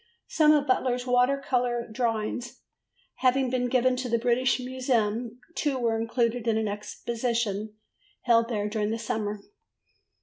Some of Butler's water colour drawings having been given to the British Museum, two were included in an exhibition held there during the summer.